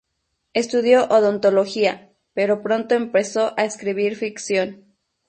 Estudió odontología, pero pronto empezó a escribir ficción.